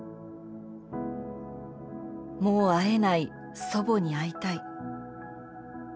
「もう会えない祖母に会いたい。